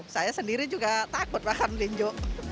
saya sendiri juga takut makan linjo